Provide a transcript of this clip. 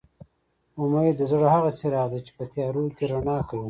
اميد د زړه هغه څراغ دي چې په تيارو کې رڼا کوي